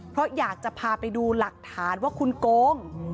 เพราะอยากจะพาไปดูหลักฐานว่าคุณโกง